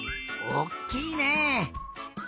おっきいね！